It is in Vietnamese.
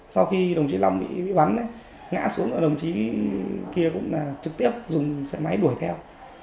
sau khi xảy ra sự việc anh có